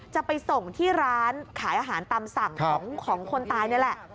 จะไปส่งที่ร้านขายอาหารตามสั่งของคนตายนี่แหละ